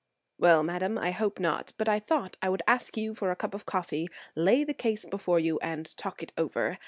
"Well, madam, I hope not; but I thought I would ask you for a cup of coffee, lay the case before you and talk it over.